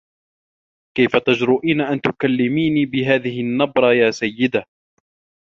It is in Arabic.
كيف تجرئين أن تكلّميني بهذه النّبرة يا سيّدة؟